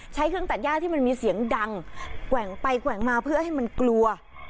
ใช้เครื่องตัดย่าที่มันมีเสียงดังแกว่งไปแกว่งมาเพื่อให้มันกลัว